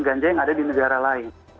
ganja yang ada di negara lain